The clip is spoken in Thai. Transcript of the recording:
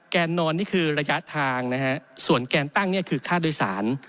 นอนนี่คือระยะทางนะฮะส่วนแกนตั้งเนี่ยคือค่าโดยสาร